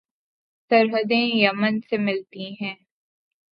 سرحدیں Yemen سے ملتی ہیں